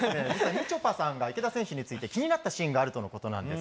みちょぱさんが池田選手について気になったシーンがあるとのことです。